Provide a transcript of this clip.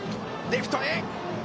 レフトへ。